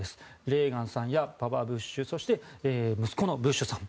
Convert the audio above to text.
レーガンさんやパパブッシュそして息子のブッシュさん